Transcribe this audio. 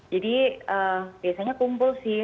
jadi biasanya kumpul sih